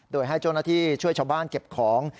โดยให้เจ้าหน้าที่ช่วยชาวบ้านเก็บของ